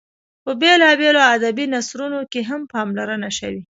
په بېلابېلو ادبي نثرونو کې هم پاملرنه شوې.